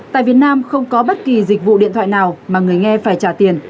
tại việt nam không có bất kỳ dịch vụ điện thoại nào mà người nghe phải trả tiền